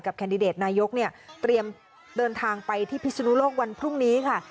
แคนดิเดตนายกเนี่ยเตรียมเดินทางไปที่พิศนุโลกวันพรุ่งนี้ค่ะ